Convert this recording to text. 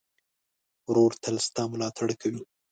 ورور تل ستا ملاتړ کوي.